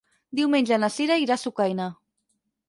Diumenge na Sira irà a Sucaina.